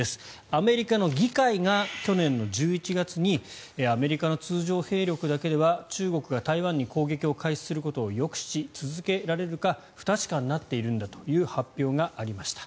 アメリカの議会が去年１１月にアメリカの通常兵力だけでは中国が台湾に攻撃を開始することを抑止し続けられるか不確かになっているんだという発表がありました。